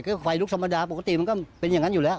คือไฟลุกธรรมดาปกติมันก็เป็นอย่างนั้นอยู่แล้ว